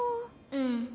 うん。